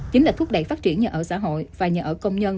chính là thúc đẩy phát triển nhà ở xã hội và nhà ở công nhân